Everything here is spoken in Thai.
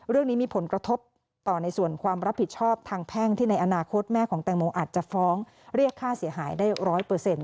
เรื่องนี้มีผลกระทบต่อในส่วนความรับผิดชอบทางแพ่งที่ในอนาคตแม่ของแตงโมอาจจะฟ้องเรียกค่าเสียหายได้ร้อยเปอร์เซ็นต